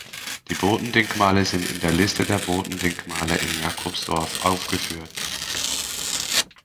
Die Bodendenkmale sind in der Liste der Bodendenkmale in Jacobsdorf aufgeführt.